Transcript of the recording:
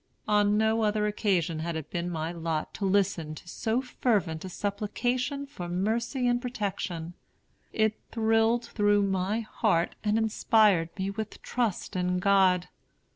On no other occasion has it been my lot to listen to so fervent a supplication for mercy and protection. It thrilled through my heart and inspired me with trust in God.